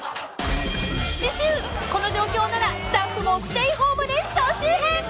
［次週この状況ならスタッフもステイホームで総集編］